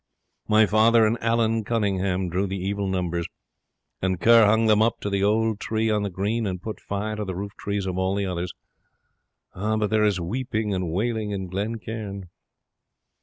My father and Allan Cunninghame drew the evil numbers, and Kerr hung them up to the old tree on the green and put fire to the rooftrees of all the others. Ah! but there is weeping and wailing in Glen Cairn!"